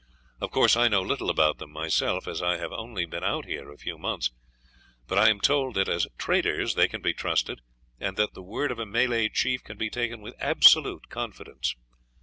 Of course, I know little about them myself, as I have only been out here a few months; but I am told that as traders they can be trusted, and that the word of a Malay chief can be taken with absolute confidence.